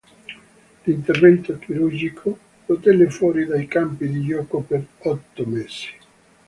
L'intervento chirurgico lo tenne fuori dai campi da gioco per otto mesi.